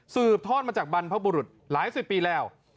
ทอดมาจากบรรพบุรุษหลายสิบปีแล้ว